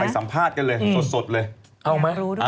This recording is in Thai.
ไปสัมภาษณ์กันเลยสดเลย